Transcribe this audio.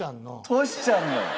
トシちゃんの？